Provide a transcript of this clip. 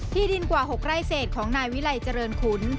ที่ดินกว่า๖ไร่เศษของนายวิลัยเจริญขุน